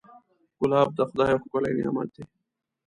ګلاب د خدای یو ښکلی نعمت دی.